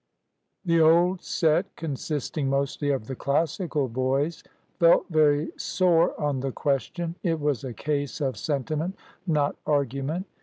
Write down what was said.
The old set, consisting mostly of the Classical boys, felt very sore on the question. It was a case of sentiment, not argument.